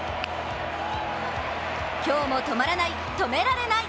今日も止まらない、止められない！